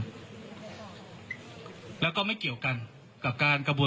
ทางคุณชัยธวัดก็บอกว่าการยื่นเรื่องแก้ไขมาตรวจสองเจน